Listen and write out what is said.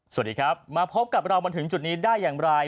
สวัสดีครับมาพบกับเรามาถึงจุดนี้ได้อย่างไร